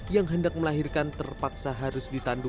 yang hendak melahirkan terpaksa harus ditandu